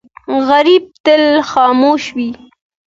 غریب تل خاموش وي